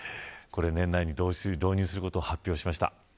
これを年内に導入することを発表しました。